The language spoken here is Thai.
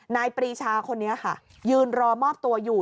ปรีชาคนนี้ค่ะยืนรอมอบตัวอยู่